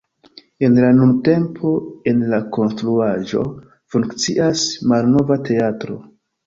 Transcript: En la nuntempo en la konstruaĵo funkcias Malnova Teatro.